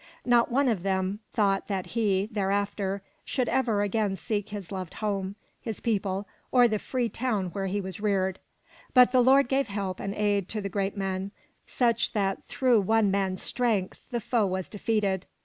Not one of them thought that he, thereafter, should ever again seek his loved home, his people, or the free town where he was reared. But the Lord gave help and aid to the Geat men, such that through one man's strength the foe was defeated.